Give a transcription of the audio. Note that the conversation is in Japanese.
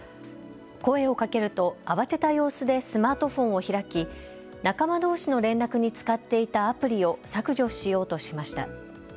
声をかけると慌てた様子でスマートフォンを開き仲間どうしの連絡に使っていたアプリを削除しようとしました。